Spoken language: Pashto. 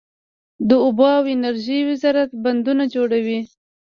د اوبو او انرژۍ وزارت بندونه جوړوي؟